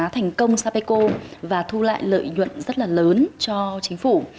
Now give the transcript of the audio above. thành công sapeco và thu lại lợi nhuận rất là lớn cho chính phủ